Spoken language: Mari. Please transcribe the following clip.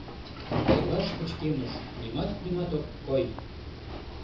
Йырваш пычкемыш, нимат-нимат ок кой...